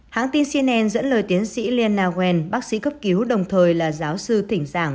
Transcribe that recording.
hãng tin cnn dẫn lời tiến sĩ lian bác sĩ cấp cứu đồng thời là giáo sư thỉnh giảng